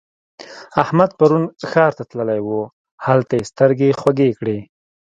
احمد پرون ښار ته تللی وو؛ هلته يې سترګې خوږې کړې.